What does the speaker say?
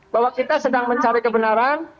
bahwa kita sedang mencari kebenaran